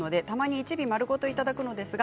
１尾丸ごといただきます。